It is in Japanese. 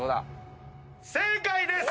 正解です！